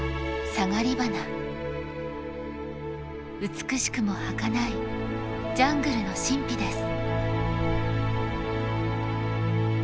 美しくもはかないジャングルの神秘です。